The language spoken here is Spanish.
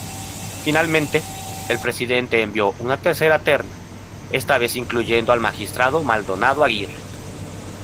Finalmente, el presidente envió una tercera terna, esta vez incluyendo al magistrado Maldonado Aguirre.